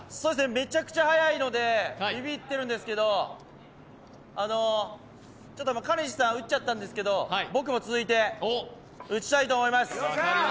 めちゃくちゃ速いのでビビってるんですけど、ちょっと、かねちーさん打っちゃったんですけど、僕も続いて打ちたいと思います。